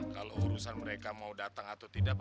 kalau urusan mereka mau datang atau tidak